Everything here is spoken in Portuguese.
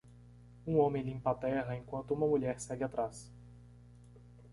Um homem limpa a terra enquanto uma mulher segue atrás.